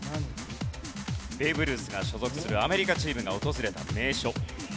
ベーブ・ルースが所属するアメリカチームが訪れた名所。